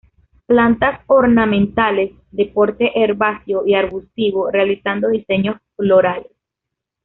Plantas ornamentales, de porte herbáceo y arbustivo realizando diseños florales.